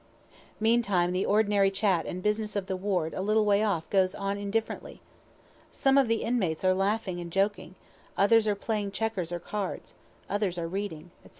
Meantime the ordinary chat and business of the ward a little way off goes on indifferently. Some of the inmates are laughing and joking, others are playing checkers or cards, others are reading, &c.